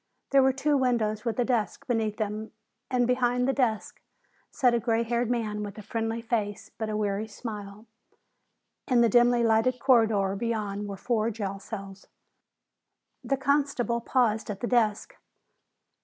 There were two windows with a desk beneath them, and behind the desk sat a gray haired man with a friendly face but a weary smile. In the dimly lighted corridor beyond were four jail cells. The constable paused at the desk.